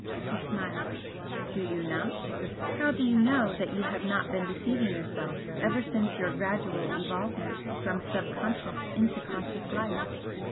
He smiled. "Do you not? How do you know that you have not been deceiving yourself ever since your gradual evolvement from subconscious into conscious life?